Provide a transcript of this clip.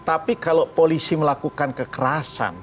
tapi kalau polisi melakukan kekerasan